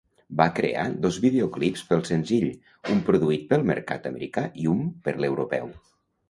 Van crear dos videoclips pel senzill, un produït pel mercat americà i un per l'europeu.